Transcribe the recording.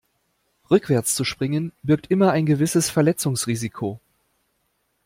Rückwärts zu springen birgt immer ein gewisses Verletzungsrisiko.